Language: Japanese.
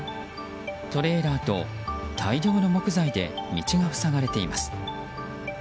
トレーラーと大量の木材で道が塞がれています。